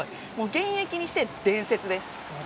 現役にして伝説です。